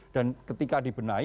dan ketika dibenahi